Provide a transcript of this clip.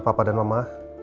iya banget muka aku